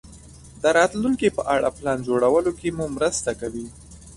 د راتلونکې په اړه پلان جوړولو کې مو مرسته کوي.